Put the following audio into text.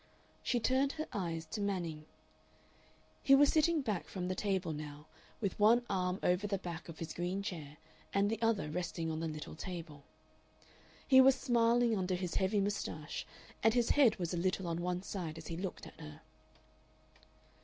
She turned her eyes to Manning. He was sitting back from the table now, with one arm over the back of his green chair and the other resting on the little table. He was smiling under his heavy mustache, and his head was a little on one side as he looked at her.